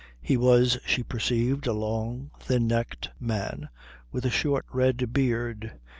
He was, she perceived, a long, thin necked man with a short red beard.